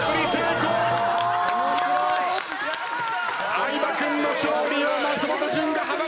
相葉君の勝利を松本潤が阻みました！